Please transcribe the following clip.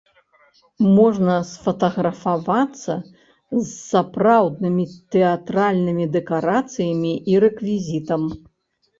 Можна сфатаграфавацца з сапраўднымі тэатральнымі дэкарацыямі і рэквізітам.